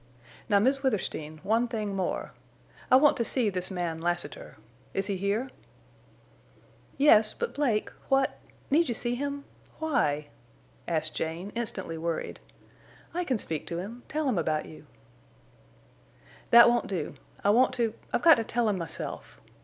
Now, Miss Withersteen, one thing more. I want to see this man Lassiter. Is he here?" "Yes, but, Blake—what—Need you see him? Why?" asked Jane, instantly worried. "I can speak to him—tell him about you." "That won't do. I want to—I've got to tell him myself.